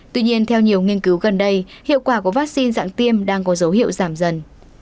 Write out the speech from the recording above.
tuy nhiên theo nhiều nghiên cứu gần đây hiệu quả của vaccine dạng tiêm đang có dấu hiệu giảm dần